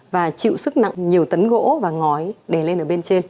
và chịu sức nặng nhiều tấn gỗ và ngói để lên ở bên trên